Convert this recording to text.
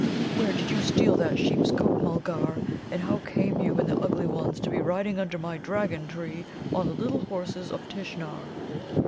"Where did you steal that sheep's coat, Mulgar? And how came you and the ugly ones to be riding under my Dragon tree on the Little Horses of Tishnar?"